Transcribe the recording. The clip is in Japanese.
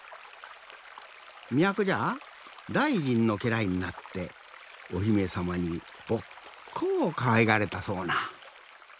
みやこじゃあだいじんのけらいになっておひめさまにぼっこうかわいがられたそうな。